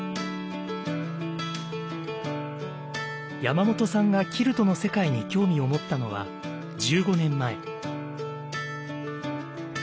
山本さんがキルトの世界に興味を持ったのは１５年前。